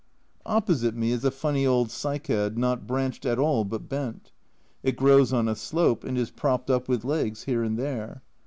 Opposite me is a funny old cycad, not branched at all but bent. It grows on a slope, and is propped up with legs here and there.